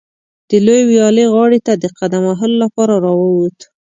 د لویې ویالې غاړې ته د قدم وهلو لپاره راووت.